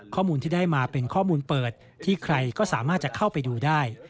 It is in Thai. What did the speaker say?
ข้อมูลที่ได้มาเป็นข้อมูลเปิดที่ใครก็สามารถจะเข้าไปดูได้